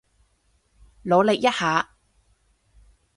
努力一下